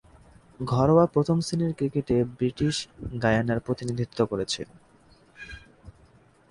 ঘরোয়া প্রথম-শ্রেণীর ক্রিকেটে ব্রিটিশ গায়ানার প্রতিনিধিত্ব করেছেন।